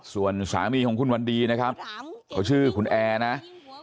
ส่วนสามีของคุณวันดีนะครับเขาชื่อคุณแอร์นะ